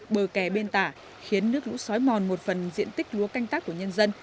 bờ kè bên tả khiến nước lũ xói mòn một phần diện tích lúa canh tác của nhân dân